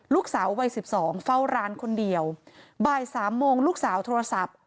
ลูกสาววัยสิบสองเฝ้าร้านคนเดียวบ่ายสามโมงลูกสาวโทรศัพท์